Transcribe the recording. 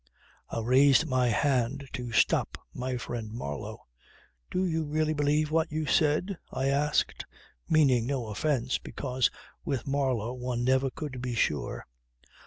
" I raised my hand to stop my friend Marlow. "Do you really believe what you have said?" I asked, meaning no offence, because with Marlow one never could be sure.